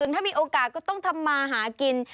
ถ้ามีโอกาสก็ต้องทำมาหากิน